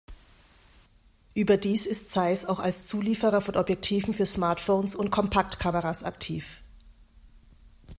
Überdies ist Zeiss auch als Zulieferer von Objektiven für Smartphones und Kompaktkameras aktiv.